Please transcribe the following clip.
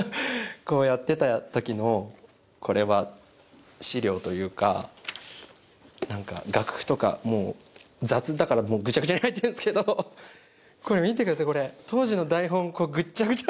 こうやってた時のこれは資料というか何か楽譜とかもう雑だからもうグチャグチャに入ってるんですけどこれ見てくださいこれ当時の台本グッチャグチャ